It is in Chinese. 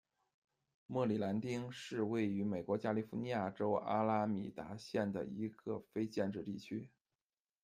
莫里兰丁是位于美国加利福尼亚州阿拉米达县的一个非建制地区。